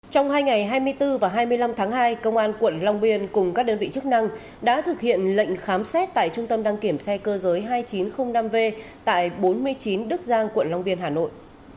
trong hai ngày hai mươi bốn và hai mươi năm tháng hai công an quận long biên cùng các đơn vị chức năng đã thực hiện lệnh khám xét tại trung tâm đăng kiểm xe cơ giới hai nghìn chín trăm linh năm v tại bốn mươi chín đức giang quận long biên hà nội